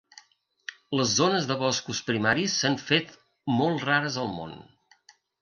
Les zones de boscos primaris s'han fet molt rares al món.